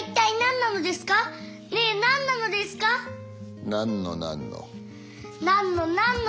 なんのなんの。